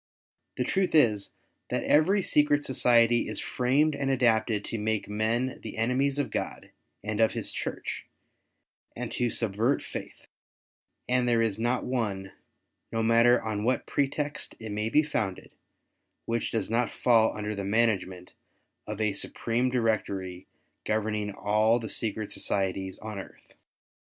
The truth is that every secret society is framed and adapted to make men the enemies of God and of his Church, and to subvert faith; and there is not one, no matter on what pretext it may be founded, which does not fall under the management of a supreme Directory governing all the secret societies on earth.